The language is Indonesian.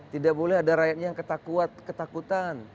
tidak boleh ada rakyatnya yang ketakutan